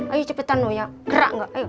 ayo cepetan roy ya gerak gak ayo